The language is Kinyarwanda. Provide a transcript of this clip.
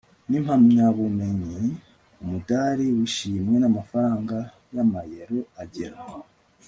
n'impamyabumenyi, umudari w'ishimwe n'amafaranga y'amayero agera